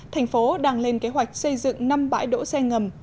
thành phố đang lên kế hoạch xây dựng năm bãi đỗ xe ngầm